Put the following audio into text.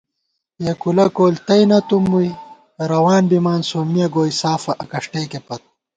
یېکُولہ کول تئینَتُم مُوئی، روان بِمان سومِیَہ گوئی سافہ اکݭٹَئکےپت